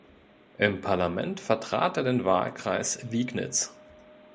Im Parlament vertrat er den Wahlkreis Liegnitz.